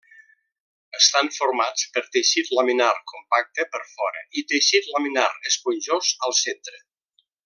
Estan formats per teixit laminar compacte per fora, i teixit laminar esponjós al centre.